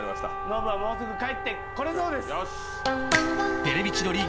ノブはもうすぐ帰ってこれそうです！